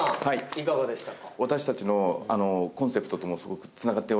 いかがでしたか？